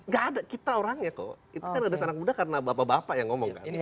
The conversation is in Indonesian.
gak ada kita orangnya kok itu kan ada anak muda karena bapak bapak yang ngomong kan